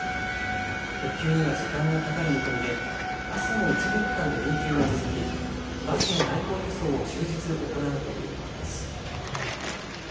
復旧には時間がかかる見込みであすも一部区間で運休が続きバスの代行輸送を終日行うということです。